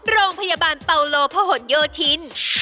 โรงพยาบาลเปาโลพะหนโยธิน